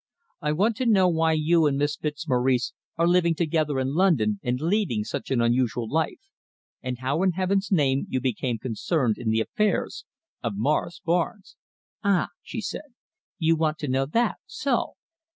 "I want to know why you and Miss Fitzmaurice are living together in London and leading such an unusual life, and how in Heaven's name you became concerned in the affairs of Morris Barnes." "Ah!" she said. "You want to know that? So!"